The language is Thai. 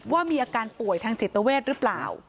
ว่ามีอาการป่วยทางจิตเวทหรือเปล่า